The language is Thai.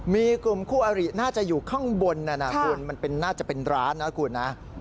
มีกลุ่มคู่อริน่าจะอยู่ข้างบนนั้นนะคุณมันน่าจะเป็นร้านนะคุณนะ